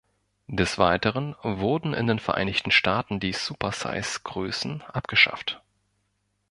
Des Weiteren wurden in den Vereinigten Staaten die Supersize-Größen abgeschafft.